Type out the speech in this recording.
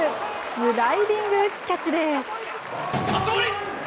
スライディングキャッチです。